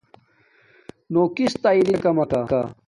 نو کس تہ اری نشاکم مکا